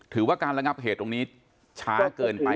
ถือว่าการระงับเหตุตรงนี้ช้าเกินไป